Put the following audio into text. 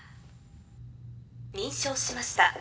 認証しました。